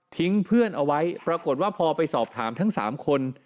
เพื่อนเอาไว้ปรากฏว่าพอไปสอบถามทั้ง๓คน